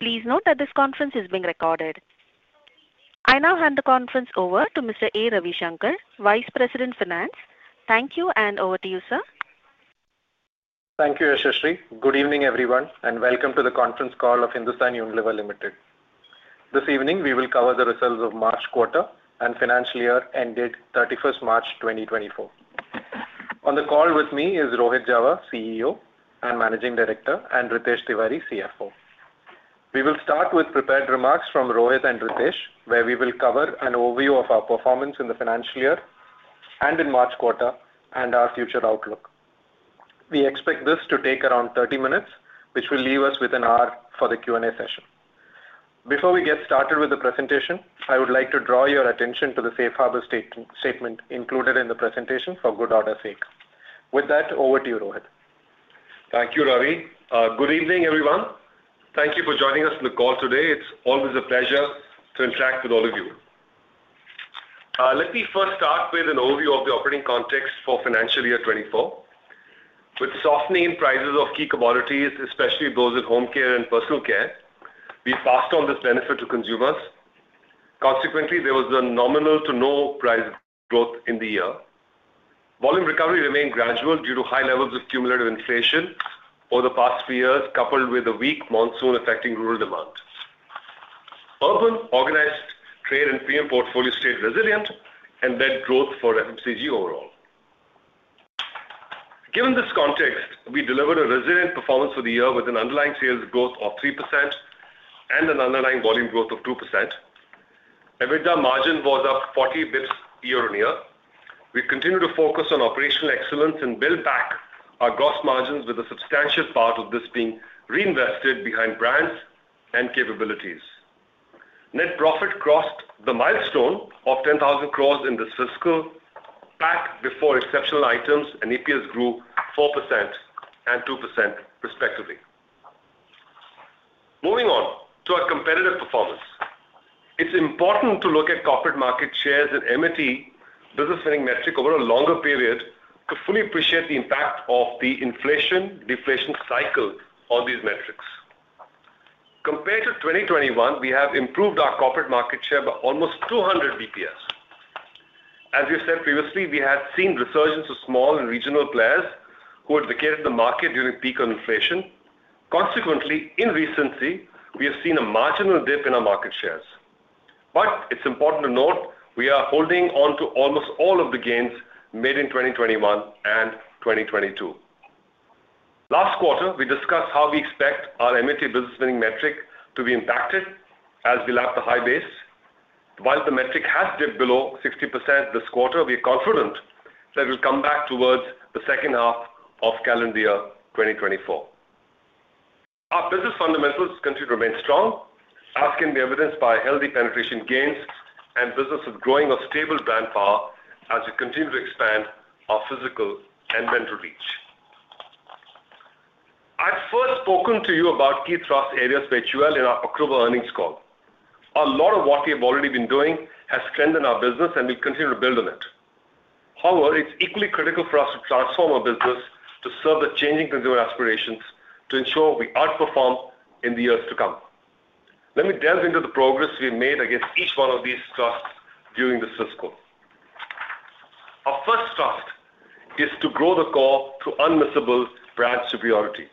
Please note that this conference is being recorded. I now hand the conference over to Mr. A. Ravishankar, Vice President Finance. Thank you, and over to you, sir. Thank you, Yashashree. Good evening, everyone, and welcome to the conference call of Hindustan Unilever Limited. This evening we will cover the results of March quarter and financial year ended 31st March 2024. On the call with me is Rohit Jawa, CEO and Managing Director, and Ritesh Tiwari, CFO. We will start with prepared remarks from Rohit and Ritesh, where we will cover an overview of our performance in the financial year and in March quarter and our future outlook. We expect this to take around 30 minutes, which will leave us with an hour for the Q&A session. Before we get started with the presentation, I would like to draw your attention to the Safe Harbor statement included in the presentation for good order's sake. With that, over to you, Rohit. Thank you, Ravi. Good evening, everyone. Thank you for joining us in the call today. It's always a pleasure to interact with all of you. Let me first start with an overview of the operating context for financial year 2024. With softening prices of key commodities, especially those in Home Care and Personal Care, we passed on this benefit to consumers. Consequently, there was a nominal-to-no price growth in the year. Volume recovery remained gradual due to high levels of cumulative inflation over the past three years, coupled with a weak monsoon affecting rural demand. Urban, organized trade and premium portfolios stayed resilient and led growth for FMCG overall. Given this context, we delivered a resilient performance for the year with an underlying sales growth of 3% and an underlying volume growth of 2%. EBITDA margin was up 40 basis points year on year. We continued to focus on operational excellence and built back our gross margins, with a substantial part of this being reinvested behind brands and capabilities. Net profit crossed the milestone of 10,000 crore in this fiscal PAT before exceptional items, and EPS grew 4% and 2%, respectively. Moving on to our competitive performance, it's important to look at corporate market shares and MAT business winning metrics over a longer period to fully appreciate the impact of the inflation-deflation cycle on these metrics. Compared to 2021, we have improved our corporate market share by almost 200 basis points. As we have said previously, we had seen resurgence of small and regional players who had vacated the market during peak inflation. Consequently, recently, we have seen a marginal dip in our market shares. It's important to note we are holding on to almost all of the gains made in 2021 and 2022. Last quarter, we discussed how we expect our MAT business winning metric to be impacted as we lap the high base. While the metric has dipped below 60% this quarter, we are confident that it will come back towards the second half of calendar year 2024. Our business fundamentals continue to remain strong, as can be evidenced by healthy penetration gains and business with growing or stable brand power as we continue to expand our physical and mental reach. I've first spoken to you about key thrust areas for HUL in our October earnings call. A lot of what we have already been doing has strengthened our business, and we'll continue to build on it. However, it's equally critical for us to transform our business to serve the changing consumer aspirations to ensure we outperform in the years to come. Let me delve into the progress we made against each one of these thrusts during this fiscal. Our first thrust is to grow the core through unmissable brand superiority.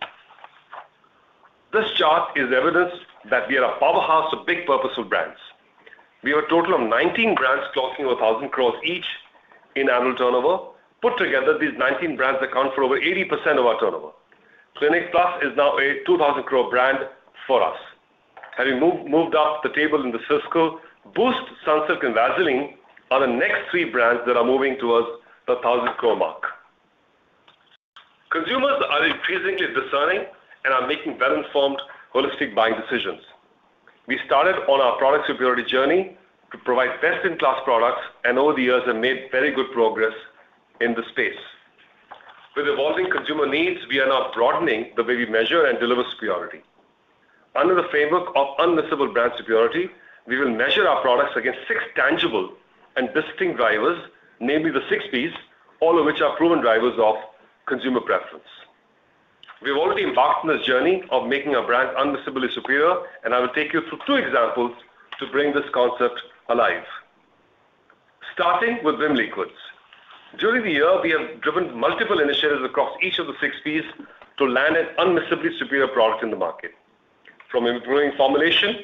This chart is evidence that we are a powerhouse of big-purpose brands. We have a total of 19 brands clocking over 1,000 crore each in annual turnover. Put together, these 19 brands account for over 80% of our turnover. Clinic Plus is now a 2,000 crore brand for us. Having moved up the table in the fiscal, Boost, Sunsilk, and Vaseline are the next three brands that are moving towards the 1,000 crore mark. Consumers are increasingly discerning and are making well-informed, holistic buying decisions. We started on our product superiority journey to provide best-in-class products and, over the years, have made very good progress in the space. With evolving consumer needs, we are now broadening the way we measure and deliver superiority. Under the framework of unmissable brand superiority, we will measure our products against six tangible and distinct drivers, namely the six P's, all of which are proven drivers of consumer preference. We have already embarked on this journey of making our brands unmissibly superior, and I will take you through two examples to bring this concept alive. Starting with Vim liquids. During the year, we have driven multiple initiatives across each of the six P's to land an unmissibly superior product in the market, from improving formulation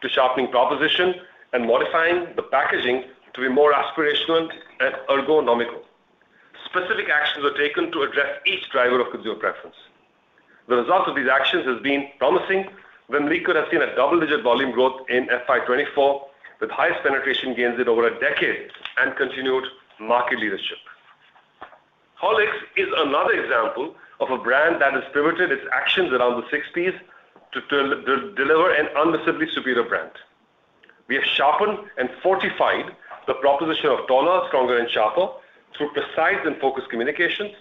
to sharpening proposition and modifying the packaging to be more aspirational and ergonomical. Specific actions were taken to address each driver of consumer preference. The results of these actions have been promising. Vim liquid has seen a double-digit volume growth in FY 2024, with highest penetration gains in over a decade and continued market leadership. Horlicks is another example of a brand that has pivoted its actions around the six P's to deliver an unmissable superior brand. We have sharpened and fortified the proposition of taller, stronger, and sharper through precise and focused communications,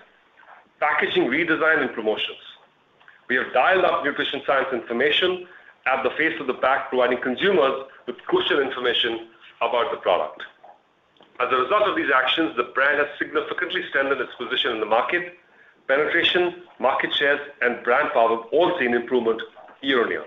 packaging redesign, and promotions. We have dialed up nutrition science information at the face of the pack, providing consumers with crucial information about the product. As a result of these actions, the brand has significantly strengthened its position in the market. Penetration, market shares, and brand power have all seen improvement year on year.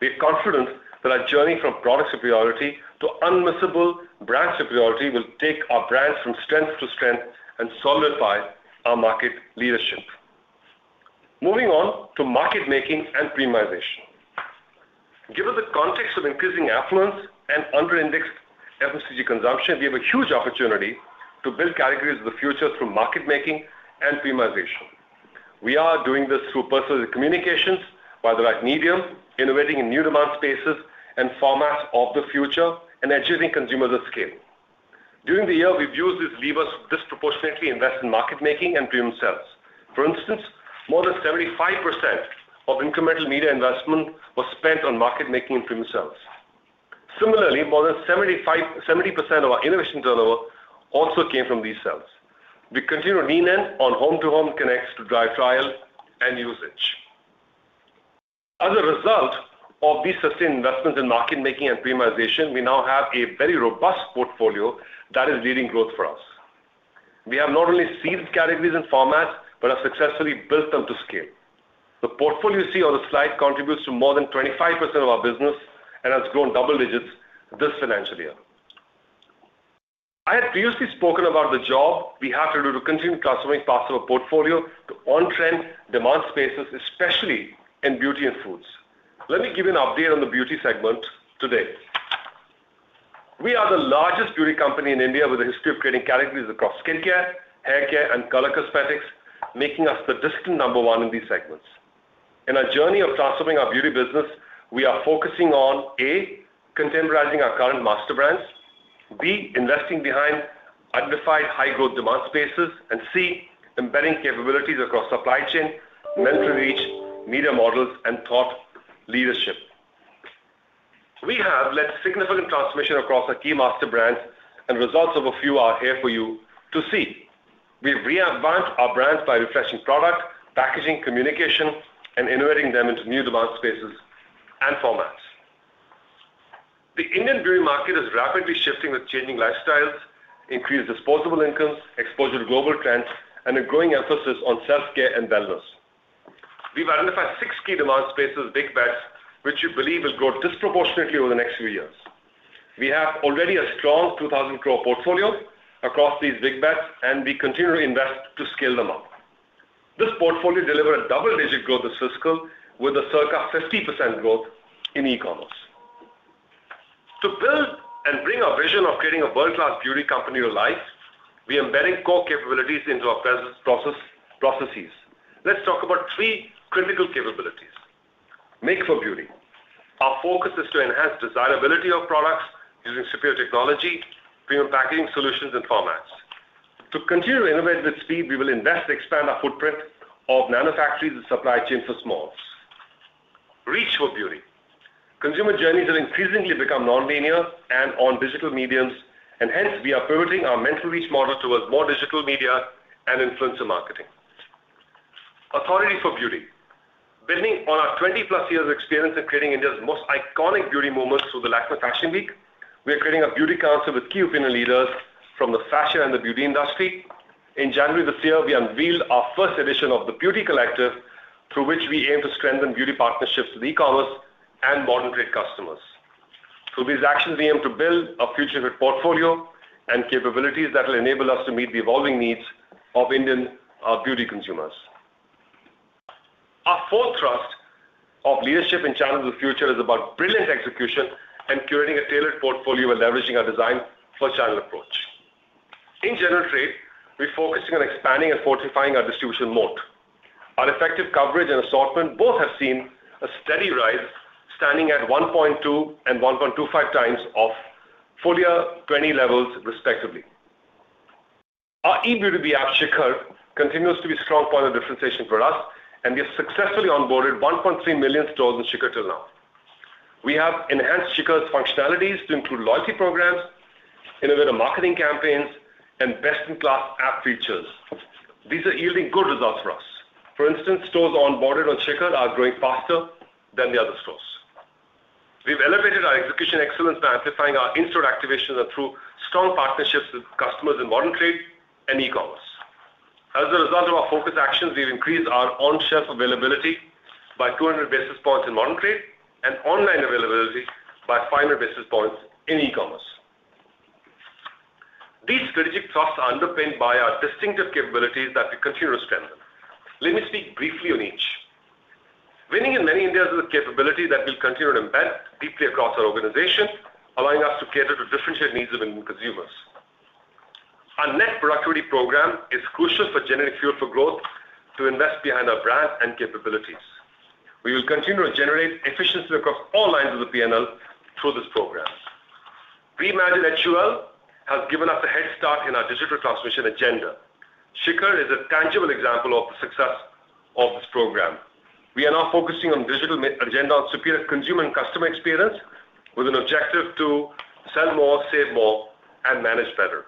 We have confidence that our journey from product superiority to unmissable brand superiority will take our brands from strength to strength and solidify our market leadership. Moving on to market making and premiumization. Given the context of increasing affluence and under-indexed FMCG consumption, we have a huge opportunity to build categories of the future through market making and premiumization. We are doing this through personalized communications via the right medium, innovating in new demand spaces and formats of the future, and educating consumers at scale. During the year, we've used this lever disproportionately invested in market making and premium cells. For instance, more than 75% of incremental media investment was spent on market making and premium cells. Similarly, more than 70% of our innovation turnover also came from these cells. We continue to lean in on home-to-home connects to drive trial and usage. As a result of these sustained investments in market making and premiumization, we now have a very robust portfolio that is leading growth for us. We have not only seeded categories and formats but have successfully built them to scale. The portfolio you see on the slide contributes to more than 25% of our business and has grown double digits this financial year. I had previously spoken about the job we have to do to continue transforming parts of our portfolio to on-trend demand spaces, especially in beauty and foods. Let me give you an update on the beauty segment today. We are the largest beauty company in India with a history of creating categories across skincare, haircare, and color cosmetics, making us the distant number one in these segments. In our journey of transforming our beauty business, we are focusing on, A, contemporizing our current master brands. B, investing behind identified high-growth demand spaces. And C, embedding capabilities across supply chain, market reach, media models, and thought leadership. We have led significant transformation across our key master brands, and results of a few are here for you to see. We have readvanced our brands by refreshing product, packaging, communication, and innovating them into new demand spaces and formats. The Indian beauty market is rapidly shifting with changing lifestyles, increased disposable incomes, exposure to global trends, and a growing emphasis on self-care and wellness. We've identified 6 key demand spaces, big bets, which we believe will grow disproportionately over the next few years. We have already a strong ₹2,000 crore portfolio across these big bets, and we continue to invest to scale them up. This portfolio delivered a double-digit growth this fiscal, with a circa 50% growth in e-commerce. To build and bring our vision of creating a world-class beauty company to life, we are embedding core capabilities into our processes. Let's talk about three critical capabilities. Make for Beauty. Our focus is to enhance desirability of products using superior technology, premium packaging solutions, and formats. To continue to innovate with speed, we will invest to expand our footprint of manufacturers and supply chain for smalls. Reach for Beauty. Consumer journeys have increasingly become non-linear and on digital mediums, and hence, we are pivoting our mental reach model towards more digital media and influencer marketing. Authority for Beauty. Building on our 20+ years of experience in creating India's most iconic beauty moments through the Lakmé Fashion Week, we are creating a beauty council with key opinion leaders from the fashion and the beauty industry. In January this year, we unveiled our first edition of the Beauty Collective, through which we aim to strengthen beauty partnerships with e-commerce and modern trade customers. Through these actions, we aim to build a future-fit portfolio and capabilities that will enable us to meet the evolving needs of Indian beauty consumers. Our fourth thrust of leadership in channels of the future is about brilliant execution and curating a tailored portfolio while leveraging our digital-first channel approach. In general trade, we're focusing on expanding and fortifying our distribution moat. Our effective coverage and assortment both have seen a steady rise, standing at 1.2 and 1.25 times of FY20 levels, respectively. Our e-B2B app, Shikhar, continues to be a strong point of differentiation for us, and we have successfully onboarded 1.3 million stores in Shikhar till now. We have enhanced Shikhar's functionalities to include loyalty programs, innovative marketing campaigns, and best-in-class app features. These are yielding good results for us. For instance, stores onboarded on Shikhar are growing faster than the other stores. We've elevated our execution excellence by amplifying our in-store activations and through strong partnerships with customers in modern trade and e-commerce. As a result of our focus actions, we've increased our on-shelf availability by 200 basis points in modern trade and online availability by 500 basis points in e-commerce. These strategic thrusts are underpinned by our distinctive capabilities that we continue to strengthen. Let me speak briefly on each. Winning in Many Indias is a capability that we'll continue to embed deeply across our organization, allowing us to cater to differentiated needs of Indian consumers. Our net productivity program is crucial for generating fuel for growth to invest behind our brand and capabilities. We will continue to generate efficiency across all lines of the P&L through this program. Reimagined HUL has given us a head start in our digital transformation agenda. Shikhar is a tangible example of the success of this program. We are now focusing on the digital agenda on superior consumer and customer experience with an objective to sell more, save more, and manage better.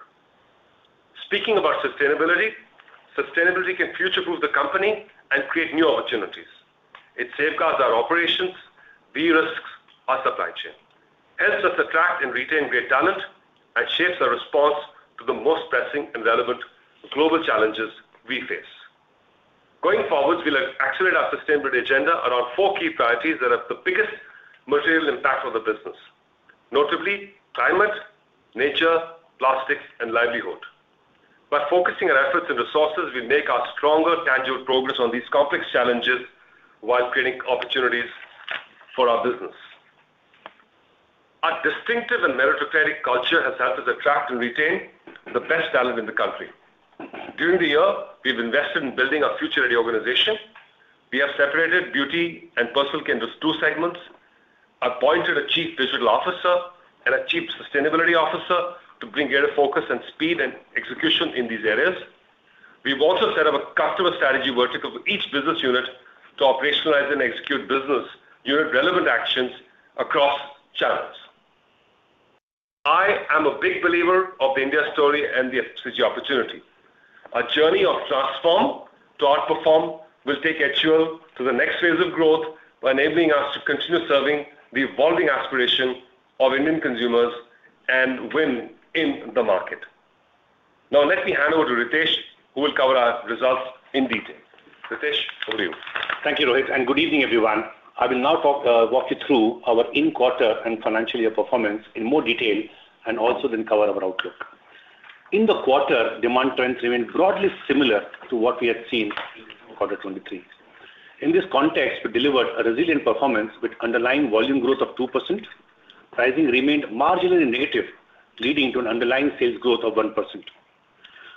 Speaking about sustainability, sustainability can future-proof the company and create new opportunities. It safeguards our operations. We risk our supply chain. It helps us attract and retain great talent and shapes our response to the most pressing and relevant global challenges we face. Going forward, we'll accelerate our sustainability agenda around four key priorities that have the biggest material impact on the business, notably climate, nature, plastics, and livelihood. By focusing our efforts and resources, we'll make ours stronger, tangible progress on these complex challenges while creating opportunities for our business. Our distinctive and meritocratic culture has helped us attract and retain the best talent in the country. During the year, we've invested in building our future-ready organization. We have separated Beauty and Personal Care into two segments, appointed a chief digital officer and a chief sustainability officer to bring greater focus and speed and execution in these areas. We've also set up a customer strategy vertical for each business unit to operationalize and execute business unit-relevant actions across channels. I am a big believer of the India story and the FMCG opportunity. Our journey of transform to outperform will take HUL through the next phase of growth by enabling us to continue serving the evolving aspiration of Indian consumers and win in the market. Now, let me hand over to Ritesh, who will cover our results in detail. Ritesh, over to you. Thank you, Rohit. Good evening, everyone. I will now walk you through our in-quarter and financial year performance in more detail and also then cover our outlook. In the quarter, demand trends remained broadly similar to what we had seen in quarter 2023. In this context, we delivered a resilient performance with underlying volume growth of 2%. Pricing remained marginally negative, leading to an underlying sales growth of 1%.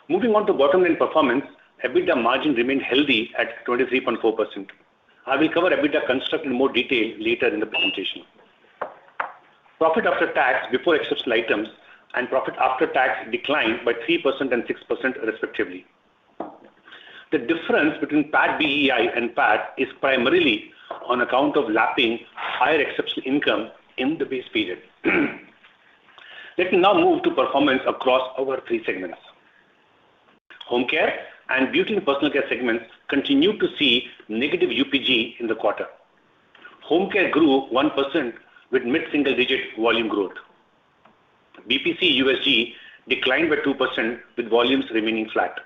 Moving on to bottom-line performance, EBITDA margin remained healthy at 23.4%. I will cover EBITDA construct in more detail later in the presentation. Profit after tax before exceptional items and profit after tax declined by 3% and 6%, respectively. The difference between PAT BEI and PAT is primarily on account of lapping higher exceptional income in the base period. Let me now move to performance across our three segments. Home care and Beauty and Personal Care segments continue to see negative UPG in the quarter. Home care grew 1% with mid-single-digit volume growth. BPC USG declined by 2% with volumes remaining flat.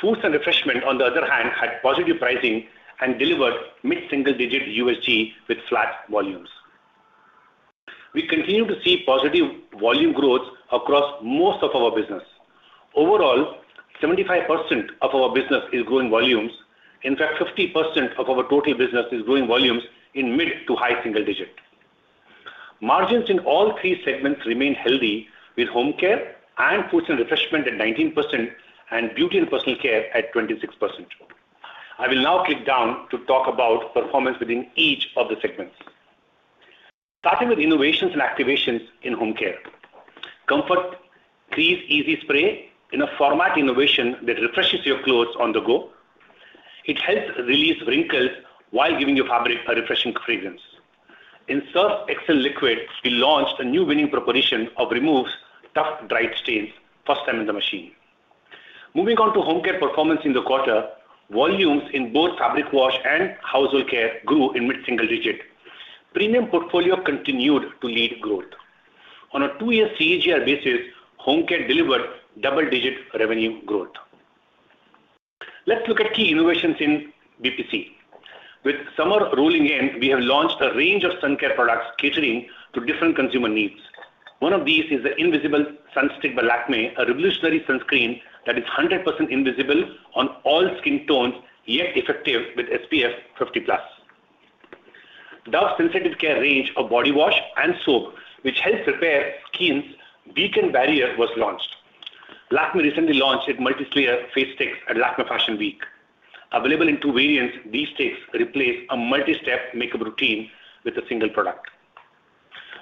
Foods and Refreshment, on the other hand, had positive pricing and delivered mid-single-digit USG with flat volumes. We continue to see positive volume growth across most of our business. Overall, 75% of our business is growing volumes. In fact, 50% of our total business is growing volumes in mid to high single-digit. Margins in all three segments remain healthy, with home care and Foods and Refreshment at 19% and Beauty and Personal Care at 26%. I will now click down to talk about performance within each of the segments. Starting with innovations and activations in home care. Comfort Crease Ease Spray is a format innovation that refreshes your clothes on the go. It helps release wrinkles while giving your fabric a refreshing fragrance. In Surf Excel Liquid, we launched a new winning proposition of removing tough dried stains for the first time in the machine. Moving on to home care performance in the quarter, volumes in both fabric wash and household care grew in mid-single-digit. Premium portfolio continued to lead growth. On a two-year CAGR basis, home care delivered double-digit revenue growth. Let's look at key innovations in BPC. With summer rolling in, we have launched a range of sun care products catering to different consumer needs. One of these is the Invisible Sun Stick by Lakmé, a revolutionary sunscreen that is 100% invisible on all skin tones, yet effective with SPF 50+. Dove Sensitive Care range of body wash and soap, which helps repair skin's barrier, was launched. Lakmé recently launched its Multi-Slayer face sticks at Lakmé Fashion Week. Available in 2 variants, these sticks replace a multi-step makeup routine with a single product.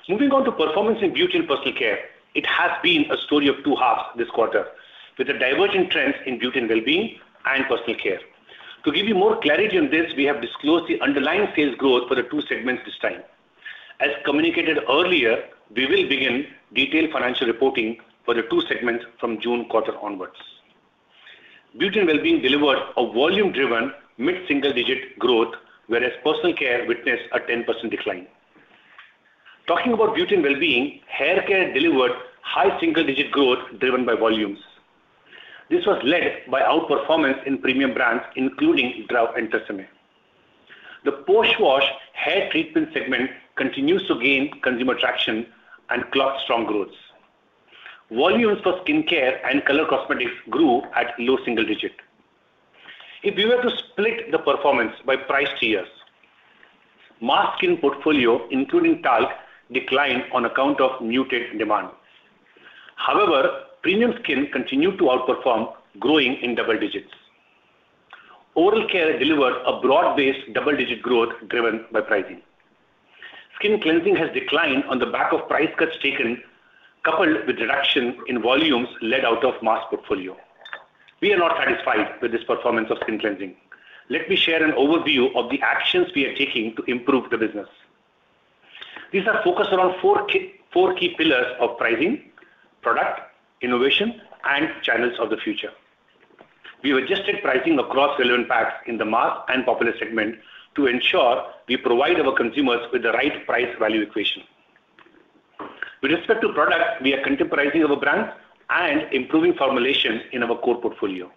Moving on to performance in beauty and Personal Care, it has been a story of two halves this quarter, with divergent trends in Beauty and Well-being and Personal Care. To give you more clarity on this, we have disclosed the underlying sales growth for the two segments this time. As communicated earlier, we will begin detailed financial reporting for the two segments from June quarter onwards. Beauty and Well-being delivered volume-driven mid-single-digit growth, whereas Personal Care witnessed a 10% decline. Talking about Beauty and Well-being, hair care delivered high single-digit growth driven by volumes. This was led by outperformance in premium brands, including Dove and TRESemmé. The post-wash hair treatment segment continues to gain consumer traction and clock strong growths. Volumes for skin care and color cosmetics grew at low single-digit. If we were to split the performance by price tiers, mass skin portfolio, including talc, declined on account of muted demand. However, premium skin continued to outperform, growing in double digits. Oral care delivered a broad-based double-digit growth driven by pricing. Skin cleansing has declined on the back of price cuts taken, coupled with reduction in volumes in the mass portfolio. We are not satisfied with this performance of skin cleansing. Let me share an overview of the actions we are taking to improve the business. These are focused around four key pillars of pricing, product, innovation, and channels of the future. We've adjusted pricing across relevant packs in the mass and popular segment to ensure we provide our consumers with the right price-value equation. With respect to product, we are contemporizing our brands and improving formulation in our core portfolio.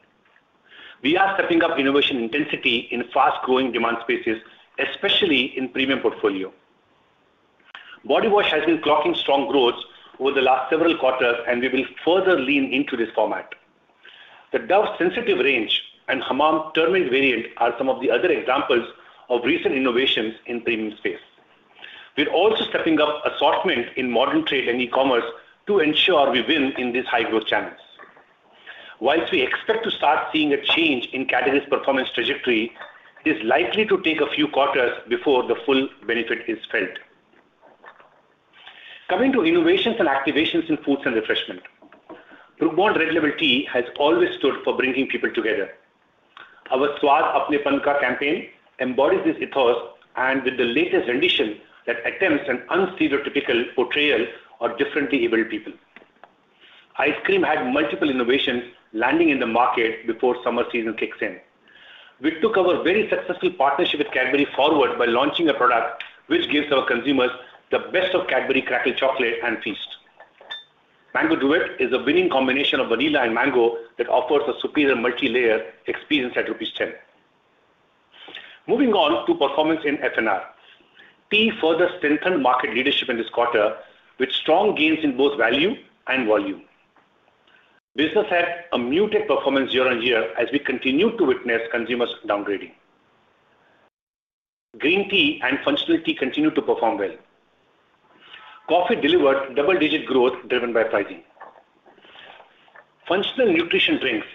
We are stepping up innovation intensity in fast-growing demand spaces, especially in premium portfolio. Body wash has been clocking strong growths over the last several quarters, and we will further lean into this format. The Dove Sensitive Range and Hamam Turmeric variant are some of the other examples of recent innovations in premium space. We're also stepping up assortment in modern trade and e-commerce to ensure we win in these high-growth channels. While we expect to start seeing a change in categories' performance trajectory, it is likely to take a few quarters before the full benefit is felt. Coming to innovations and activations in Foods and Refreshment, Brooke Bond Red Label Tea has always stood for bringing people together. Our Swad Apnepan Ka campaign embodies this ethos and with the latest rendition that attempts an unstereotypical portrayal of differently abled people. Ice cream had multiple innovations landing in the market before summer season kicks in. We took our very successful partnership with Cadbury forward by launching a product which gives our consumers the best of Cadbury Crackle Chocolate and Feast. Mango Duet is a winning combination of vanilla and mango that offers a superior multi-layer experience at rupees 10. Moving on to performance in F&R, tea further strengthened market leadership in this quarter with strong gains in both value and volume. Business had a muted performance year-over-year as we continued to witness consumers downgrading. Green tea and functional tea continue to perform well. Coffee delivered double-digit growth driven by pricing. Functional nutrition drinks,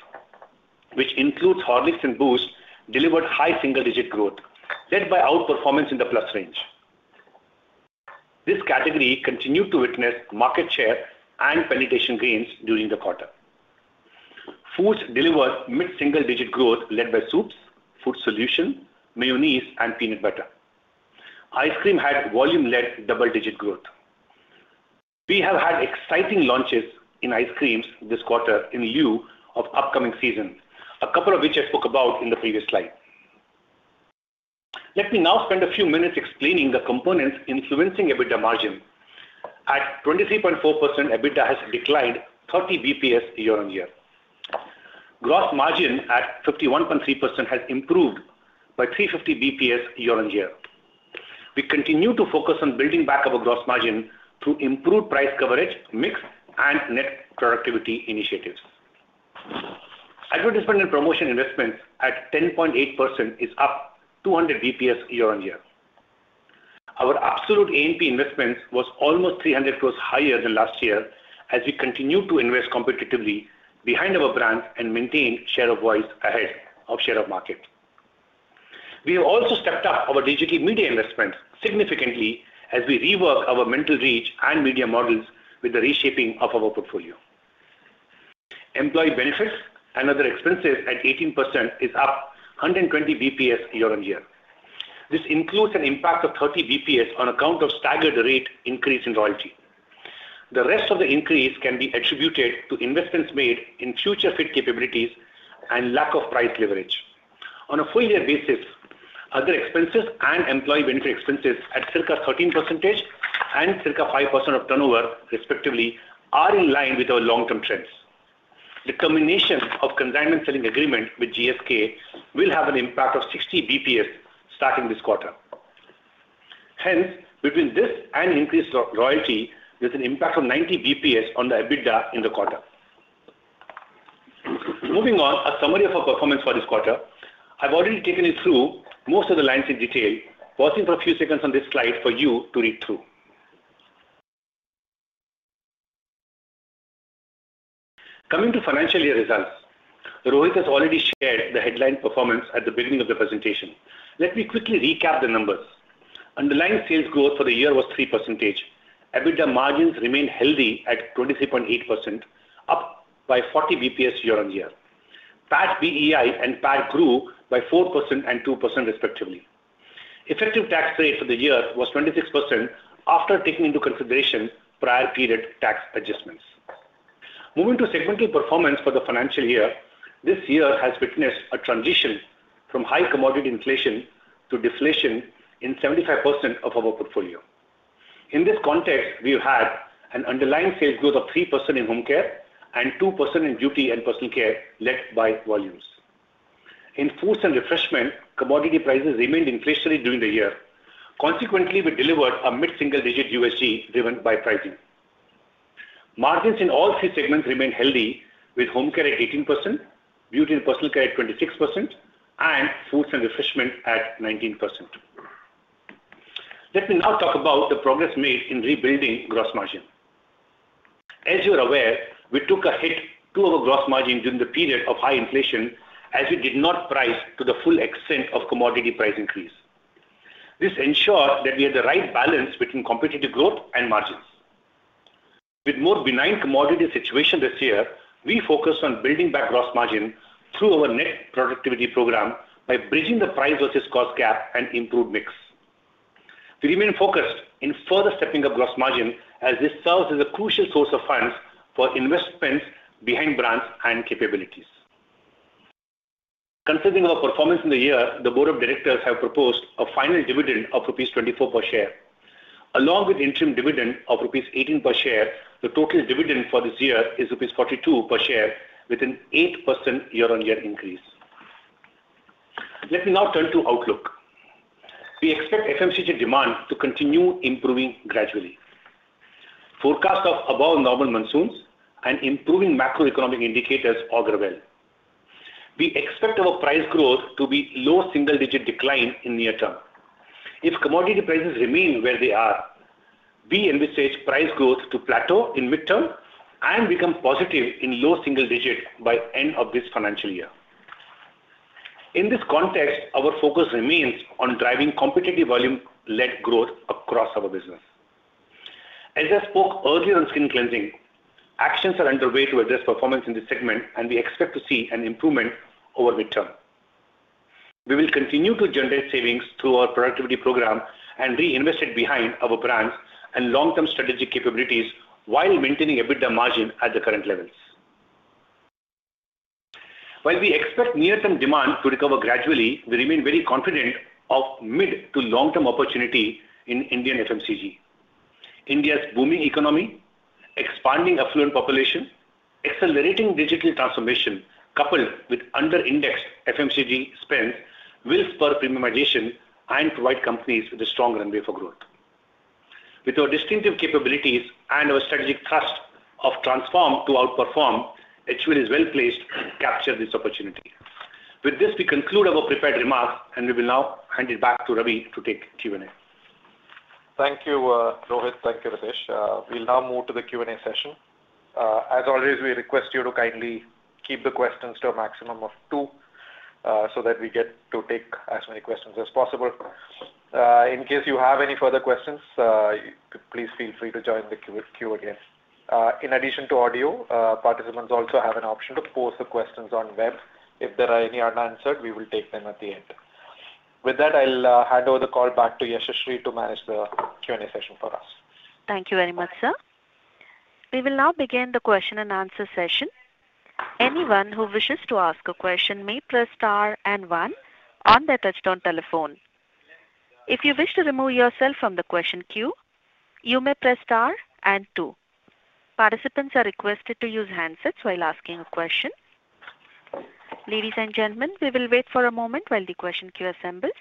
which include Horlicks and Boost, delivered high single-digit growth led by outperformance in the Plus range. This category continued to witness market share and penetration gains during the quarter. Foods delivered mid-single-digit growth led by soups, Food Solutions, mayonnaise, and peanut butter. Ice cream had volume-led double-digit growth. We have had exciting launches in ice creams this quarter in lieu of upcoming season, a couple of which I spoke about in the previous slide. Let me now spend a few minutes explaining the components influencing EBITDA margin. At 23.4%, EBITDA has declined 30 basis points year-on-year. Gross margin at 51.3% has improved by 350 basis points year-on-year. We continue to focus on building back our gross margin through improved price coverage, mix, and net productivity initiatives. Advertisement and promotion investments at 10.8% is up 200 basis points year-on-year. Our absolute A&P investments were almost 300 crore higher than last year as we continue to invest competitively behind our brands and maintain share of voice ahead of share of market. We have also stepped up our digital media investments significantly as we rework our mental reach and media models with the reshaping of our portfolio. Employee benefits and other expenses at 18% is up 120 basis points year-on-year. This includes an impact of 30 basis points on account of staggered rate increase in royalty. The rest of the increase can be attributed to investments made in future-fit capabilities and lack of price leverage. On a full-year basis, other expenses and employee benefit expenses at circa 13% and circa 5% of turnover, respectively, are in line with our long-term trends. The combination of consignment selling agreement with GSK will have an impact of 60 basis points starting this quarter. Hence, between this and increased royalty, there's an impact of 90 basis points on the EBITDA in the quarter. Moving on, a summary of our performance for this quarter. I've already taken it through most of the lines in detail, pausing for a few seconds on this slide for you to read through. Coming to financial year results, Rohit has already shared the headline performance at the beginning of the presentation. Let me quickly recap the numbers. Underlying sales growth for the year was 3%. EBITDA margins remained healthy at 23.8%, up by 40 BPS year-on-year. PAT BEI and PAT grew by 4% and 2%, respectively. Effective tax rate for the year was 26% after taking into consideration prior-period tax adjustments. Moving to segmental performance for the financial year, this year has witnessed a transition from high commodity inflation to deflation in 75% of our portfolio. In this context, we've had an underlying sales growth of 3% in home care and 2% in beauty and Personal Care led by volumes. In Foods and Refreshment, commodity prices remained inflationary during the year. Consequently, we delivered a mid-single-digit USG driven by pricing. Margins in all three segments remained healthy, with Home Care at 18%, Beauty and Personal Care at 26%, and Foods and Refreshment at 19%. Let me now talk about the progress made in rebuilding gross margin. As you are aware, we took a hit to our gross margin during the period of high inflation as we did not price to the full extent of commodity price increase. This ensured that we had the right balance between competitive growth and margins. With more benign commodity situation this year, we focused on building back gross margin through our net productivity program by bridging the price versus cost gap and improved mix. We remain focused in further stepping up gross margin as this serves as a crucial source of funds for investments behind brands and capabilities. Considering our performance in the year, the board of directors have proposed a final dividend of rupees 24 per share. Along with interim dividend of rupees 18 per share, the total dividend for this year is rupees 42 per share, with an 8% year-on-year increase. Let me now turn to outlook. We expect FMCG demand to continue improving gradually. Forecasts of above-normal monsoons and improving macroeconomic indicators augur well. We expect our price growth to be low single-digit decline in near term. If commodity prices remain where they are, we envisage price growth to plateau in mid-term and become positive in low single-digit by the end of this financial year. In this context, our focus remains on driving competitive volume-led growth across our business. As I spoke earlier on skin cleansing, actions are underway to address performance in this segment, and we expect to see an improvement over mid-term. We will continue to generate savings through our productivity program and reinvest it behind our brands and long-term strategic capabilities while maintaining EBITDA margin at the current levels. While we expect near-term demand to recover gradually, we remain very confident of mid-to-long-term opportunity in Indian FMCG. India's booming economy, expanding affluent population, accelerating digital transformation coupled with under-indexed FMCG spends will spur premiumization and provide companies with a strong runway for growth. With our distinctive capabilities and our strategic thrust of transform to outperform, HUL is well-placed to capture this opportunity. With this, we conclude our prepared remarks, and we will now hand it back to Ravi to take Q&A. Thank you, Rohit. Thank you, Ritesh. We'll now move to the Q&A session. As always, we request you to kindly keep the questions to a maximum of two so that we get to take as many questions as possible. In case you have any further questions, please feel free to join the queue again. In addition to audio, participants also have an option to post the questions on web. If there are any unanswered, we will take them at the end. With that, I'll hand over the call back to Yashashree to manage the Q&A session for us. Thank you very much, sir. We will now begin the question-and-answer session. Anyone who wishes to ask a question may press star and one on their touch-tone telephone. If you wish to remove yourself from the question queue, you may press star and two. Participants are requested to use handsets while asking a question. Ladies and gentlemen, we will wait for a moment while the question queue assembles.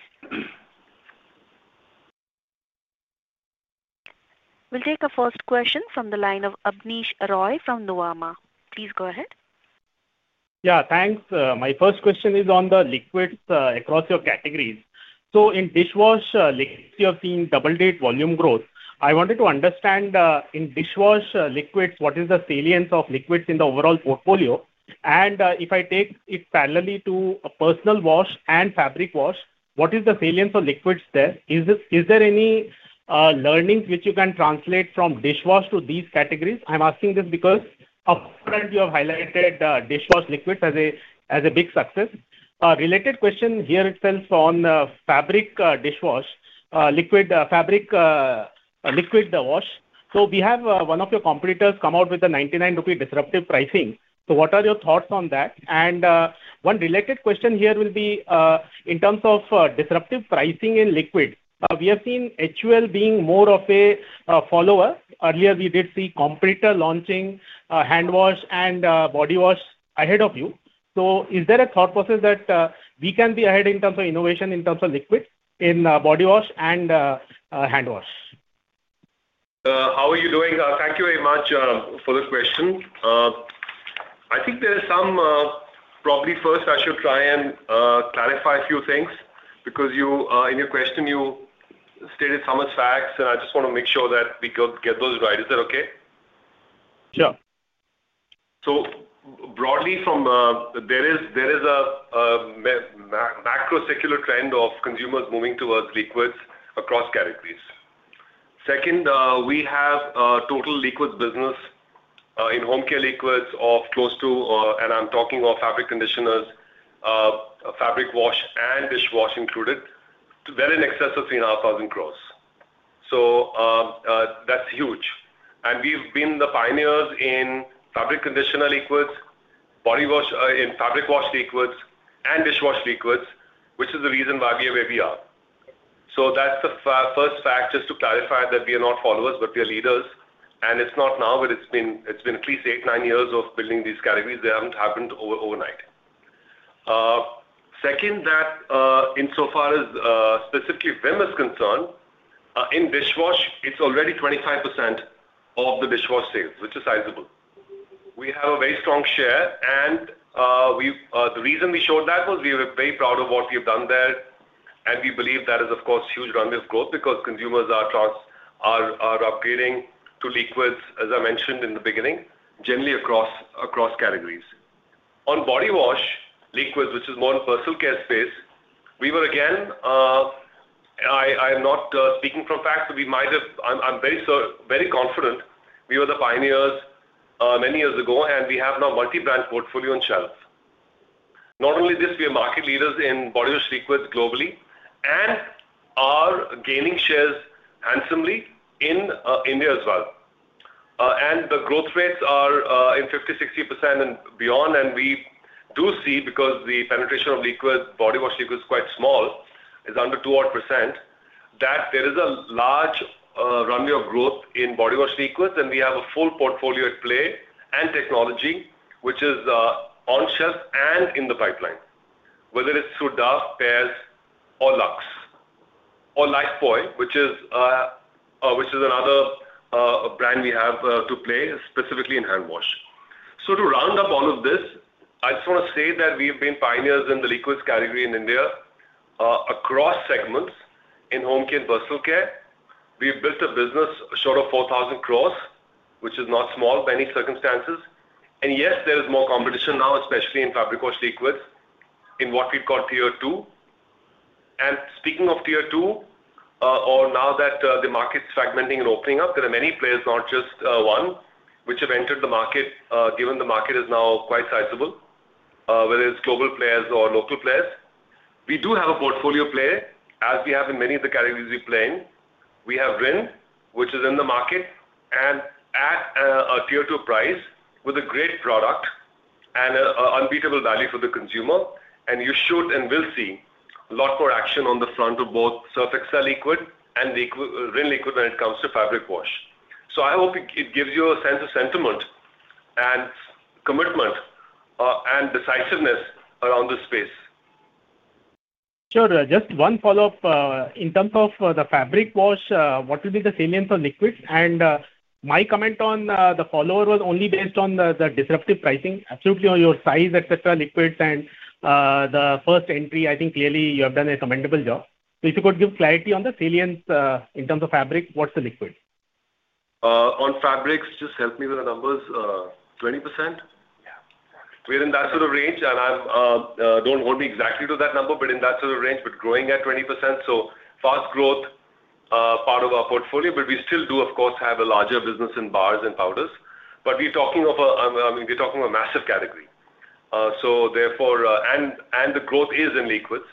We'll take a first question from the line of Abneesh Roy from Nuvama. Please go ahead. Yeah, thanks. My first question is on the liquids across your categories. So in dishwash liquids, you have seen double-digit volume growth. I wanted to understand in dishwash liquids, what is the salience of liquids in the overall portfolio? And if I take it parallelly to a personal wash and fabric wash, what is the salience of liquids there? Is there any learnings which you can translate from dishwash to these categories? I'm asking this because upfront, you have highlighted dishwash liquids as a big success. Related question here itself on fabric wash liquid. So we have one of your competitors come out with a ₹99 disruptive pricing. So what are your thoughts on that? And one related question here will be in terms of disruptive pricing in liquid. We have seen HUL being more of a follower. Earlier, we did see competitor launching handwash and body wash ahead of you. So is there a thought process that we can be ahead in terms of innovation in terms of liquid in body wash and handwash? How are you doing? Thank you very much for the question. I think there is some, probably first, I should try and clarify a few things because in your question, you stated some of the facts, and I just want to make sure that we get those right. Is that okay? Sure. So broadly, there is a macro-circular trend of consumers moving towards liquids across categories. Second, we have a total liquid business in home care liquids of close to and I'm talking of fabric conditioners, fabric wash, and dishwash included, well in excess of 3,500 crore. So that's huge. And we've been the pioneers in fabric conditioner liquids, fabric wash liquids, and dishwash liquids, which is the reason why we are where we are. So that's the first fact just to clarify that we are not followers, but we are leaders. And it's not now, but it's been at least 8-9 years of building these categories. They haven't happened overnight. Second, that insofar as specifically Vim is concerned, in dishwash, it's already 25% of the dishwash sales, which is sizable. We have a very strong share. The reason we showed that was we were very proud of what we have done there. We believe that is, of course, a huge runway of growth because consumers are upgrading to liquids, as I mentioned in the beginning, generally across categories. On body wash liquids, which is more in Personal Care space, we were again. I am not speaking from facts, but we might have. I'm very confident we were the pioneers many years ago, and we have now multi-brand portfolio on shelves. Not only this, we are market leaders in body wash liquids globally and are gaining shares handsomely in India as well. The growth rates are 50%-60% and beyond. We do see because the penetration of liquid body wash liquids is quite small, is under 200%, that there is a large runway of growth in body wash liquids. And we have a full portfolio at play and technology, which is on shelves and in the pipeline, whether it's Surf, Pears, or Lux, or Lifebuoy, which is another brand we have to play specifically in handwash. So to round up all of this, I just want to say that we have been pioneers in the liquids category in India across segments in home care and Personal Care. We've built a business short of 4,000 crore, which is not small by any circumstances. And yes, there is more competition now, especially in fabric wash liquids in what we'd call tier two. And speaking of tier two, now that the market's fragmenting and opening up, there are many players, not just one, which have entered the market given the market is now quite sizable, whether it's global players or local players. We do have a portfolio play as we have in many of the categories we play in. We have Rin, which is in the market and at a tier two price with a great product and an unbeatable value for the consumer. You should and will see a lot more action on the front of both Surf Excel Liquid and Rin Liquid when it comes to fabric wash. I hope it gives you a sense of sentiment and commitment and decisiveness around this space. Sure. Just one follow-up. In terms of the fabric wash, what will be the salience of liquids? And my comment on the follower was only based on the disruptive pricing, absolutely on your size, etc., liquids. And the first entry, I think clearly you have done a commendable job. So if you could give clarity on the salience in terms of fabric, what's the liquid? On fabrics, just help me with the numbers. 20%? We're in that sort of range. And don't hold me exactly to that number, but in that sort of range, but growing at 20%. So fast growth, part of our portfolio. But we still do, of course, have a larger business in bars and powders. But we're talking of a, I mean, we're talking of a massive category. And the growth is in liquids.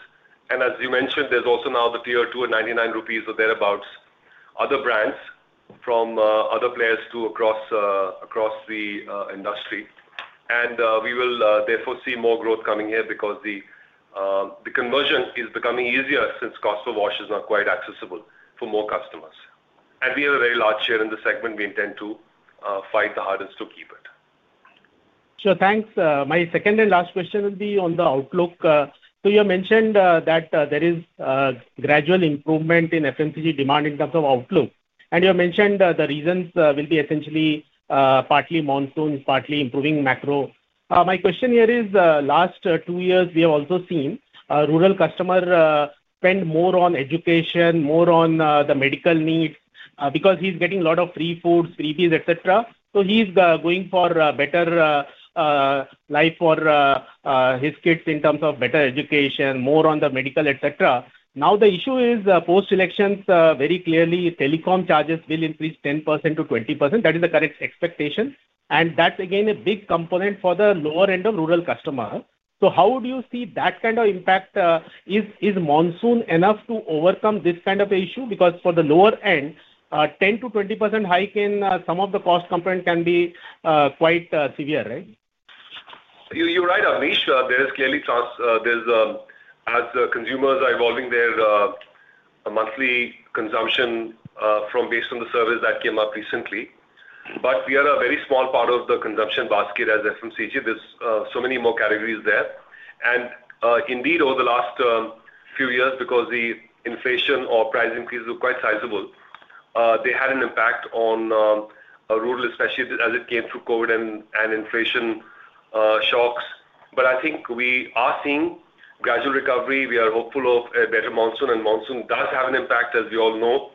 And as you mentioned, there's also now the tier two at 99 rupees or thereabouts. Other brands from other players across the industry. And we will therefore see more growth coming here because the conversion is becoming easier since cost per wash is not quite accessible for more customers. And we have a very large share in this segment. We intend to fight the hardest to keep it. Sure. Thanks. My second and last question will be on the outlook. So you mentioned that there is gradual improvement in FMCG demand in terms of outlook. And you mentioned the reasons will be essentially partly monsoon, partly improving macro. My question here is, last two years, we have also seen rural customers spend more on education, more on the medical needs because he's getting a lot of free foods, freebies, etc. So he's going for a better life for his kids in terms of better education, more on the medical, etc. Now, the issue is post-elections, very clearly, telecom charges will increase 10%-20%. That is the correct expectation. And that's, again, a big component for the lower end of rural customer. So how do you see that kind of impact? Is monsoon enough to overcome this kind of issue? Because for the lower end, 10%-20% hike in some of the cost component can be quite severe, right? You're right, Abneesh. There is clearly, as consumers are evolving their monthly consumption based on the service that came up recently. But we are a very small part of the consumption basket as FMCG. There's so many more categories there. And indeed, over the last few years, because the inflation or price increase was quite sizable, they had an impact on rural, especially as it came through COVID and inflation shocks. But I think we are seeing gradual recovery. We are hopeful of a better monsoon. And monsoon does have an impact, as we all know.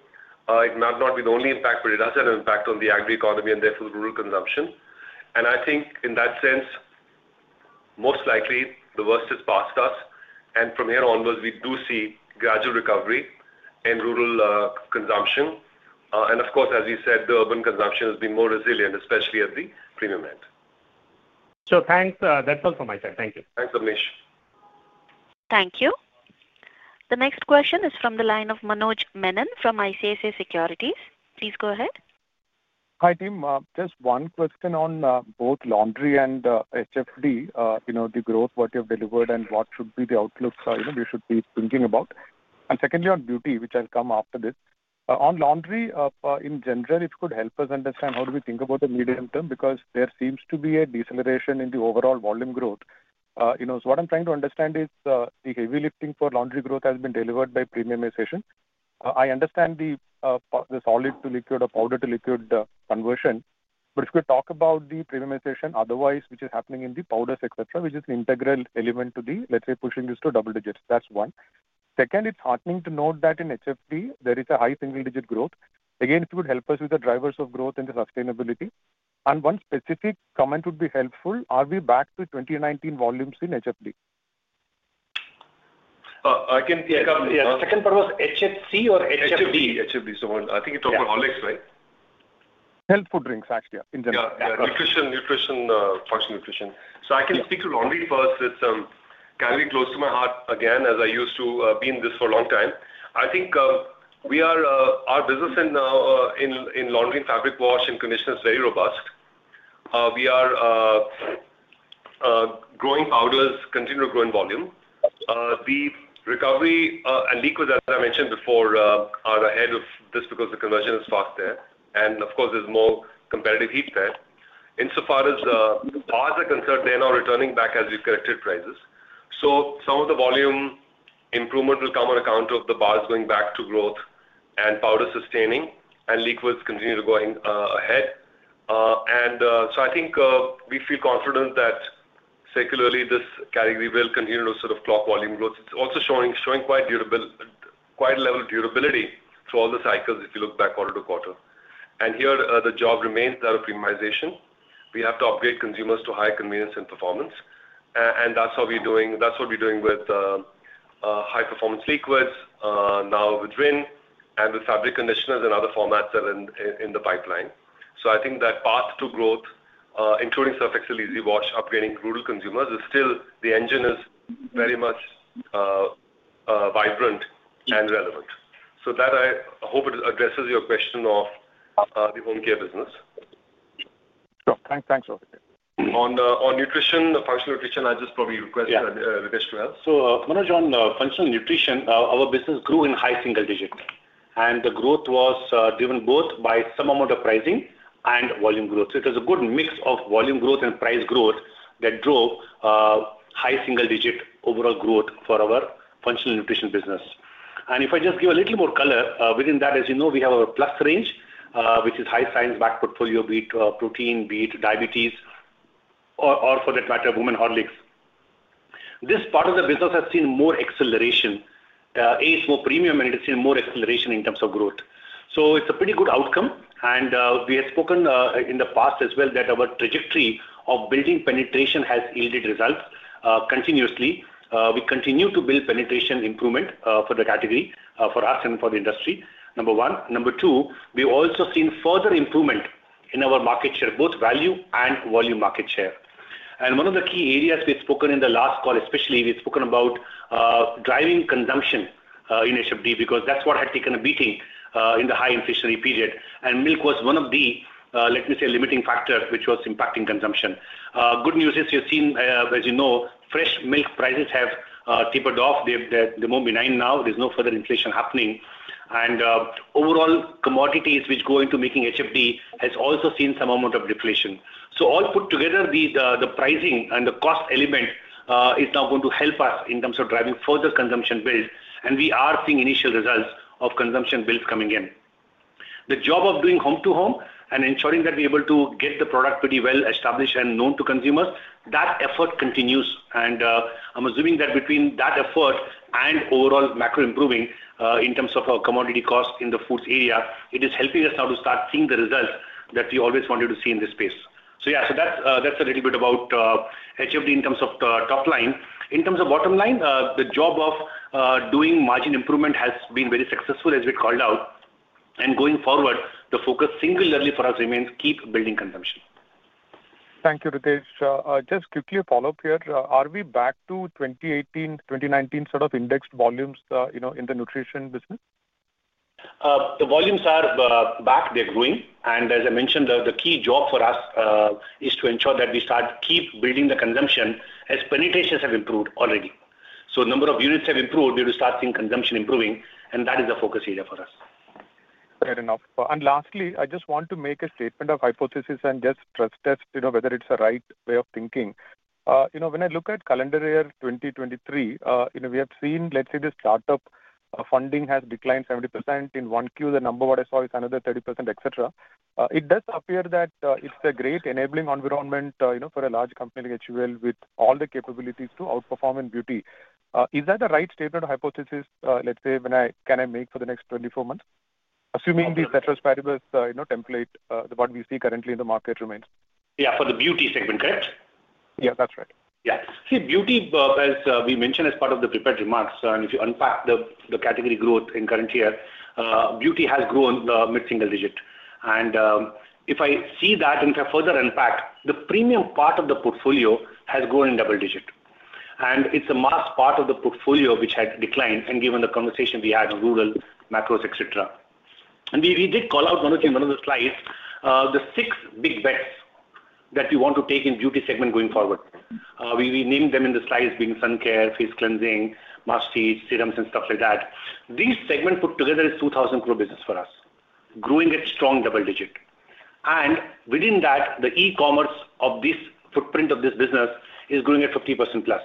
It might not be the only impact, but it does have an impact on the agri-economy and therefore the rural consumption. And I think in that sense, most likely, the worst is past us. And from here onwards, we do see gradual recovery in rural consumption. Of course, as we said, the urban consumption has been more resilient, especially at the premium end. Sure. Thanks. That's all from my side. Thank you. Thanks, Abneesh. Thank you. The next question is from the line of Manoj Menon from ICICI Securities. Please go ahead. Hi, team. Just one question on both laundry and HFD, the growth, what you have delivered, and what should be the outlooks we should be thinking about. And secondly, on beauty, which I'll come after this. On laundry, in general, if you could help us understand, how do we think about the medium term? Because there seems to be a deceleration in the overall volume growth. So what I'm trying to understand is the heavy lifting for laundry growth has been delivered by premiumization. I understand the solid to liquid or powder to liquid conversion. But if you talk about the premiumization otherwise, which is happening in the powders, etc., which is an integral element to the, let's say, pushing us to double digits. That's one. Second, it's heartening to note that in HFD, there is a high single-digit growth. Again, if you could help us with the drivers of growth and the sustainability. One specific comment would be helpful. Are we back to 2019 volumes in HFD? I can pick up. Yeah. Second part was HFC or HFD? HFD, HFD, So Manoj. I think you talked about Horlicks, right? Health food drinks, actually, in general. Yeah, nutrition, functional nutrition. So I can speak to laundry first. It's a category close to my heart again, as I used to be in this for a long time. I think our business in laundry and fabric wash and conditioner is very robust. We are growing powders, continue to grow in volume. The recovery and liquids, as I mentioned before, are ahead of this because the conversion is fast there. And of course, there's more competitive heat there. Insofar as bars are concerned, they are now returning back as we've corrected prices. So some of the volume improvement will come on account of the bars going back to growth and powder sustaining and liquids continuing to go ahead. And so I think we feel confident that circularly, this category will continue to sort of clock volume growth. It's also showing quite a level of durability through all the cycles if you look back quarter to quarter. Here, the job remains that of premiumization. We have to upgrade consumers to high convenience and performance. And that's what we're doing. That's what we're doing with high-performance liquids now with Rin and with fabric conditioners and other formats that are in the pipeline. So I think that path to growth, including Surf Excel Easy Wash, upgrading rural consumers, is still the engine. It's very much vibrant and relevant. So I hope it addresses your question of the home care business. Sure. Thanks, Rohit. On nutrition, functional nutrition, I just probably request Ritesh to help. So Manoj, on functional nutrition, our business grew in high single digits. And the growth was driven both by some amount of pricing and volume growth. So it was a good mix of volume growth and price growth that drove high single-digit overall growth for our functional nutrition business. And if I just give a little more color within that, as you know, we have our Plus Range, which is high science-backed portfolio, be it protein, be it diabetes, or for that matter, Women's Horlicks. This part of the business has seen more acceleration. It's more premium, and it has seen more acceleration in terms of growth. So it's a pretty good outcome. And we have spoken in the past as well that our trajectory of building penetration has yielded results continuously. We continue to build penetration improvement for the category, for us and for the industry, number one. Number 2, we've also seen further improvement in our market share, both value and volume market share. One of the key areas we've spoken in the last call, especially, we've spoken about driving consumption in HFD because that's what had taken a beating in the high inflationary period. Milk was one of the, let me say, limiting factors which was impacting consumption. Good news is you've seen, as you know, fresh milk prices have tipped off. They're more benign now. There's no further inflation happening. Overall, commodities, which go into making HFD, have also seen some amount of deflation. All put together, the pricing and the cost element is now going to help us in terms of driving further consumption builds. We are seeing initial results of consumption builds coming in. The job of doing home-to-home and ensuring that we're able to get the product pretty well established and known to consumers, that effort continues. I'm assuming that between that effort and overall macro improving in terms of our commodity cost in the foods area, it is helping us now to start seeing the results that we always wanted to see in this space. So yeah, so that's a little bit about HFD in terms of top line. In terms of bottom line, the job of doing margin improvement has been very successful, as we've called out. And going forward, the focus singularly for us remains keep building consumption. Thank you, Ritesh. Just quickly a follow-up here. Are we back to 2018, 2019 sort of indexed volumes in the nutrition business? The volumes are back. They're growing. And as I mentioned, the key job for us is to ensure that we start keep building the consumption as penetration has improved already. So number of units have improved. We will start seeing consumption improving. And that is the focus area for us. Fair enough. Lastly, I just want to make a statement of hypothesis and just stress-test whether it's the right way of thinking. When I look at calendar year 2023, we have seen, let's say, the startup funding has declined 70%. In 1Q, the number what I saw is another 30%, etc. It does appear that it's a great enabling environment for a large company like HUL with all the capabilities to outperform in beauty. Is that the right statement or hypothesis, let's say, can I make for the next 24 months, assuming the ceteris paribus template, what we see currently in the market remains? Yeah, for the beauty segment, correct? Yeah, that's right. Yeah. See, beauty, as we mentioned as part of the prepared remarks, and if you unpack the category growth in current year, beauty has grown mid-single digit. And if I see that and if I further unpack, the premium part of the portfolio has grown in double digit. And it's a mass part of the portfolio which had declined and given the conversation we had on rural macros, etc. And we did call out one of the slides, the six big bets that we want to take in beauty segment going forward. We named them in the slides being sun care, face cleansing, moisture, serums, and stuff like that. These segments put together is 2,000 crore business for us, growing at strong double digit. And within that, the e-commerce of this footprint of this business is growing at 50%+.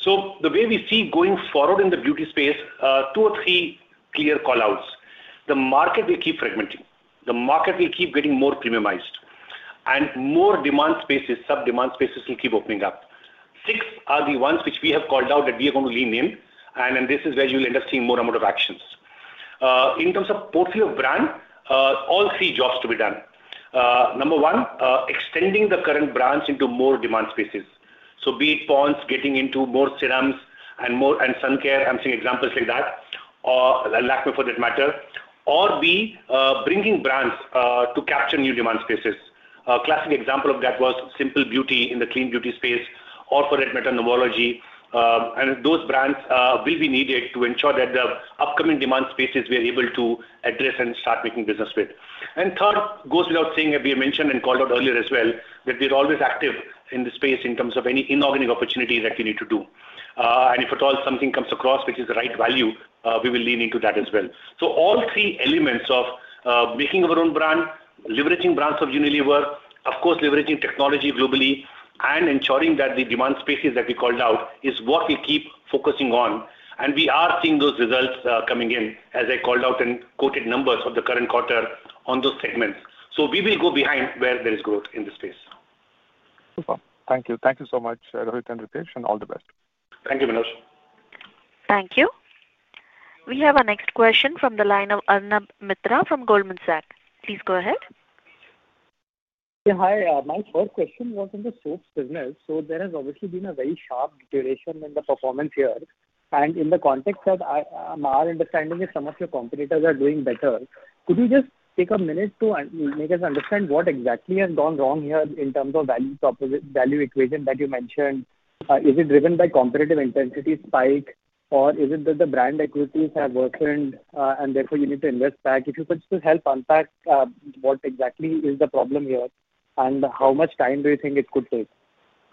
So the way we see going forward in the beauty space, two or three clear callouts. The market will keep fragmenting. The market will keep getting more premiumized. And more demand spaces, sub-demand spaces will keep opening up. Six are the ones which we have called out that we are going to lean in. And this is where you will end up seeing more amount of actions. In terms of portfolio brand, all three jobs to be done. Number one, extending the current brands into more demand spaces. So be it Pond's, getting into more serums and sun care, I'm seeing examples like that, Lakmé for that matter, or be bringing brands to capture new demand spaces. A classic example of that was Simple beauty in the clean beauty space, or for that matter, Novology. And those brands will be needed to ensure that the upcoming demand spaces we are able to address and start making business with. And third goes without saying, as we have mentioned and called out earlier as well, that we are always active in the space in terms of any inorganic opportunity that we need to do. And if at all something comes across which is the right value, we will lean into that as well. So all three elements of making our own brand, leveraging brands of Unilever, of course, leveraging technology globally, and ensuring that the demand spaces that we called out is what we keep focusing on. And we are seeing those results coming in, as I called out and quoted numbers of the current quarter on those segments. So we will go behind where there is growth in the space. Super. Thank you. Thank you so much, Rohit and Ritesh, and all the best. Thank you, Manoj. Thank you. We have a next question from the line of Arnab Mitra from Goldman Sachs. Please go ahead. Yeah, hi. My first question was on the soaps business. So there has obviously been a very sharp deterioration in the performance here. And in the context that our understanding is some of your competitors are doing better, could you just take a minute to make us understand what exactly has gone wrong here in terms of value equation that you mentioned? Is it driven by competitive intensity spike, or is it that the brand equities have worsened and therefore you need to invest back? If you could just help unpack what exactly is the problem here and how much time do you think it could take?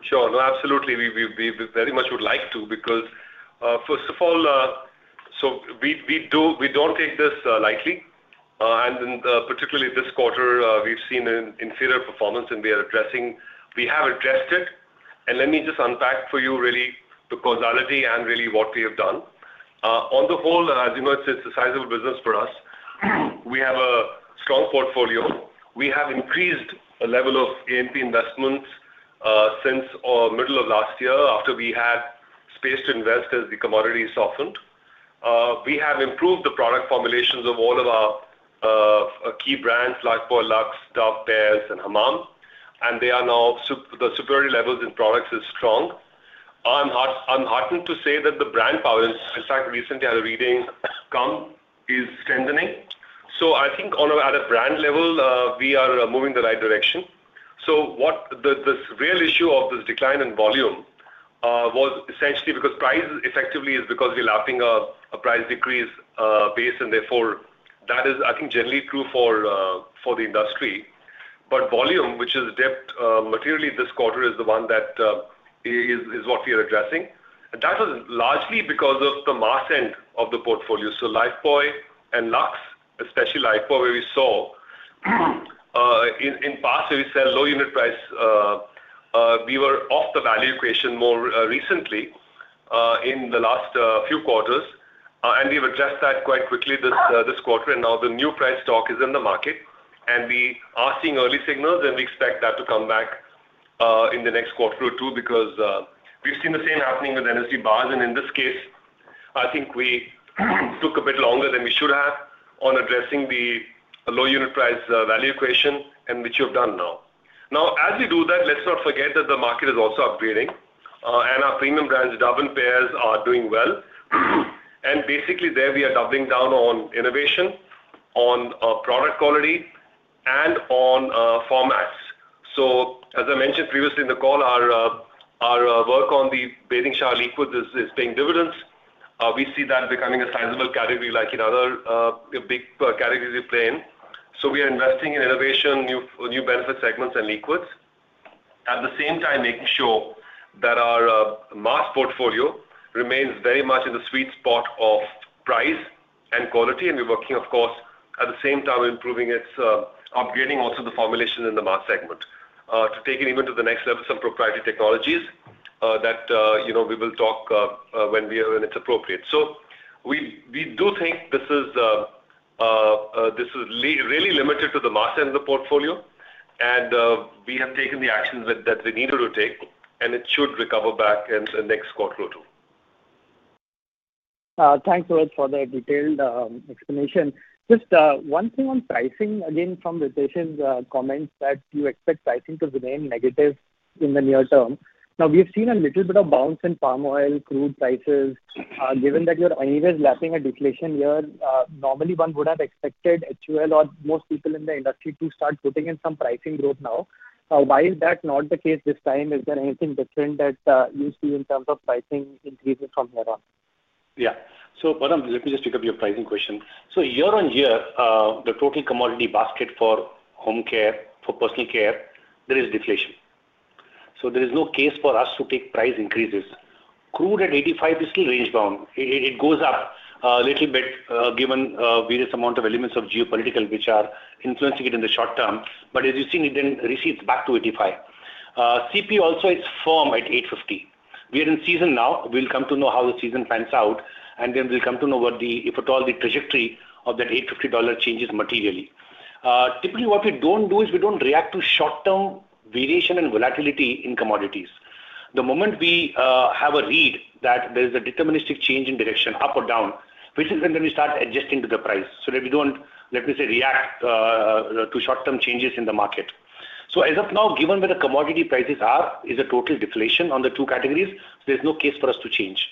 Sure. No, absolutely. We very much would like to because first of all, so we don't take this lightly. And particularly this quarter, we've seen an inferior performance, and we have addressed it. Let me just unpack for you really the causality and really what we have done. On the whole, as you know, it's a sizable business for us. We have a strong portfolio. We have increased a level of A&P investments since middle of last year after we had space to invest as the commodity softened. We have improved the product formulations of all of our key brands, Lifebuoy, Lux, Dove, Pears, and Hamam. And the superiority levels in products are strong. I'm heartened to say that the brand power, in fact, recently, I had a reading from Kantar is strengthening. So I think at a brand level, we are moving the right direction. So the real issue of this decline in volume was essentially because price effectively is because we're lapping a price decrease base. And therefore, that is, I think, generally true for the industry. But volume, which is dipped materially this quarter, is the one that is what we are addressing. And that was largely because of the mass end of the portfolio. So Lifebuoy and Lux, especially Lifebuoy, where we saw in the past where we sell low unit price, we were off the value equation more recently in the last few quarters. And we've addressed that quite quickly this quarter. And now the new price stock is in the market. And we are seeing early signals. And we expect that to come back in the next quarter or two because we've seen the same happening with NSD bars. In this case, I think we took a bit longer than we should have on addressing the low unit price value equation and which you have done now. Now, as we do that, let's not forget that the market is also upgrading. Our premium brands, Dove and Pears, are doing well. Basically, there, we are doubling down on innovation, on product quality, and on formats. As I mentioned previously in the call, our work on the bathing shower liquids is paying dividends. We see that becoming a sizable category like in other big categories we play in. We are investing in innovation, new benefit segments, and liquids, at the same time making sure that our mass portfolio remains very much in the sweet spot of price and quality. And we're working, of course, at the same time improving its, upgrading also the formulation in the mass segment to take it even to the next level, some proprietary technologies that we will talk [about] when it's appropriate. So we do think this is really limited to the mass end of the portfolio. And we have taken the actions that we needed to take. And it should recover back in the next quarter or two. Thanks, Rohit, for the detailed explanation. Just one thing on pricing, again, from Ritesh's comments that you expect pricing to remain negative in the near term. Now, we've seen a little bit of bounce in palm oil, crude prices. Given that you're anyways lapping a deflation year, normally, one would have expected HUL or most people in the industry to start putting in some pricing growth now. Why is that not the case this time? Is there anything different that you see in terms of pricing increases from here on? Yeah. So let me just pick up your pricing question. So year on year, the total commodity basket for home care, for Personal Care, there is deflation. So there is no case for us to take price increases. Crude at $85 is still range-bound. It goes up a little bit given various amount of elements of geopolitical which are influencing it in the short term. But as you've seen, it then recedes back to $85. CPO also, it's firm at $850. We are in season now. We'll come to know how the season pans out. And then we'll come to know what the, if at all, the trajectory of that $850 changes materially. Typically, what we don't do is we don't react to short-term variation and volatility in commodities. The moment we have a read that there is a deterministic change in direction, up or down, which is when then we start adjusting to the price so that we don't, let me say, react to short-term changes in the market. So as of now, given where the commodity prices are, it's a total deflation on the two categories. So there's no case for us to change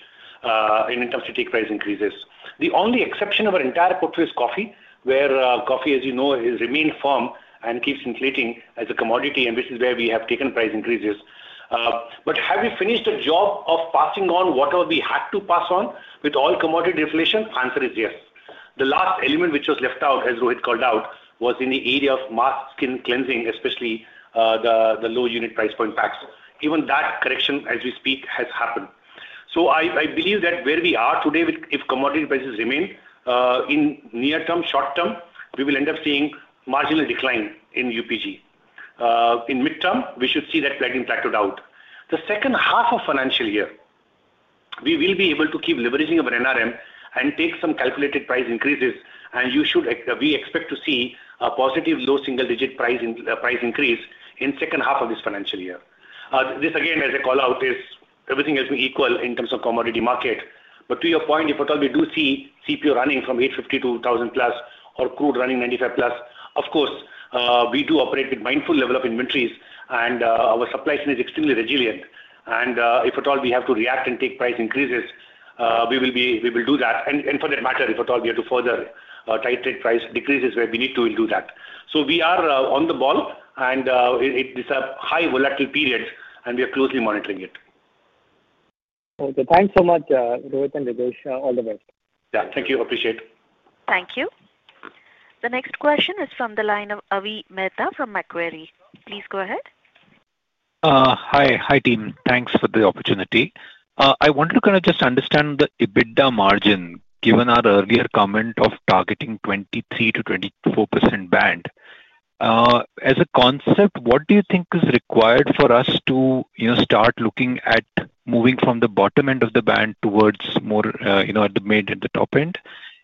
in terms of taking price increases. The only exception of our entire portfolio is coffee, where coffee, as you know, remains firm and keeps inflating as a commodity, and which is where we have taken price increases. But have we finished the job of passing on whatever we had to pass on with all commodity deflation? The answer is yes. The last element which was left out, as Rohit called out, was in the area of mass skin cleansing, especially the low unit price point packs. Even that correction, as we speak, has happened. So I believe that where we are today, if commodity prices remain in near term, short term, we will end up seeing marginal decline in UPG. In mid-term, we should see that pricing plateaued out. The second half of financial year, we will be able to keep leveraging of an NRM and take some calculated price increases. And we expect to see a positive low single-digit price increase in the second half of this financial year. This, again, as I call out, is everything has been equal in terms of commodity market. But to your point, if at all, we do see CPO running from $850-$1,000+ or crude running $95+, of course, we do operate with a mindful level of inventories. Our supply chain is extremely resilient. And if at all, we have to react and take price increases, we will do that. And for that matter, if at all, we have to further titrate price decreases where we need to, we'll do that. So we are on the ball. These are high volatile periods. And we are closely monitoring it. Okay. Thanks so much, Rohit and Ritesh. All the best. Yeah. Thank you. Appreciate. Thank you. The next question is from the line of Avi Mehta from Macquarie. Please go ahead. Hi. Hi, team. Thanks for the opportunity. I wanted to kind of just understand the EBITDA margin given our earlier comment of targeting 23%-24% band. As a concept, what do you think is required for us to start looking at moving from the bottom end of the band towards more at the mid and the top end?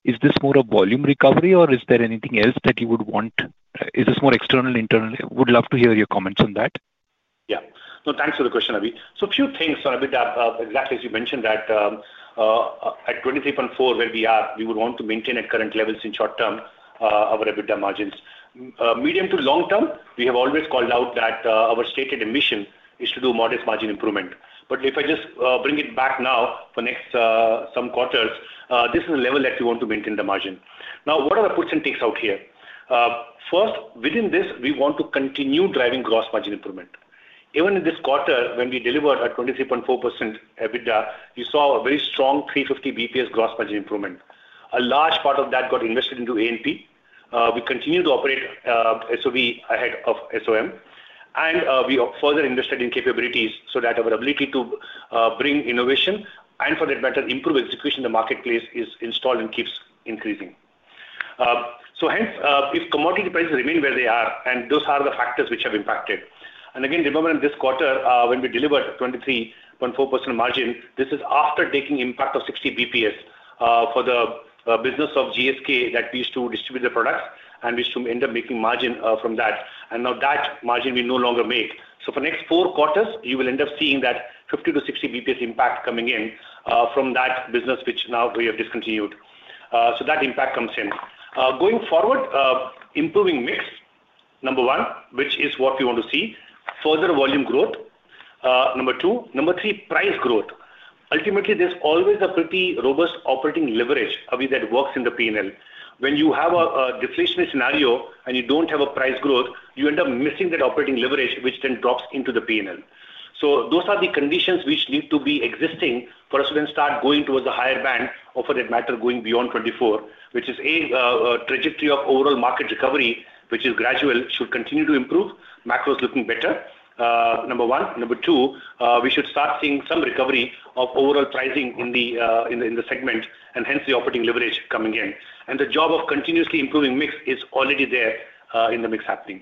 Is this more a volume recovery, or is there anything else that you would want? Is this more external, internal? Would love to hear your comments on that. Yeah. No, thanks for the question, Avi. So a few things on EBITDA. Exactly as you mentioned that at 23.4 where we are, we would want to maintain at current levels in short term our EBITDA margins. Medium to long term, we have always called out that our stated mission is to do modest margin improvement. But if I just bring it back now for next some quarters, this is a level that we want to maintain the margin. Now, what are the puts and takes out here? First, within this, we want to continue driving gross margin improvement. Even in this quarter, when we delivered a 23.4% EBITDA, you saw a very strong 350 basis points gross margin improvement. A large part of that got invested into A&P. We continue to operate SOV ahead of SOM. We further invested in capabilities so that our ability to bring innovation and, for that matter, improve execution in the marketplace is installed and keeps increasing. So hence, if commodity prices remain where they are, and those are the factors which have impacted and again, remember in this quarter, when we delivered 23.4% margin, this is after taking impact of 60 BPS for the business of GSK that we used to distribute the products. And we used to end up making margin from that. And now that margin, we no longer make. So for next four quarters, you will end up seeing that 50-60 BPS impact coming in from that business which now we have discontinued. So that impact comes in. Going forward, improving mix, number one, which is what we want to see, further volume growth, number two, number three, price growth. Ultimately, there's always a pretty robust operating leverage, Avi, that works in the P&L. When you have a deflationary scenario and you don't have a price growth, you end up missing that operating leverage, which then drops into the P&L. So those are the conditions which need to be existing for us to then start going towards a higher band or, for that matter, going beyond 24, which is a trajectory of overall market recovery, which is gradual, should continue to improve, macro is looking better, number one. Number two, we should start seeing some recovery of overall pricing in the segment and hence the operating leverage coming in. And the job of continuously improving mix is already there in the mix happening.